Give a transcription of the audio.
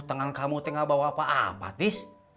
tangan kamu tengah bawa apa apa tis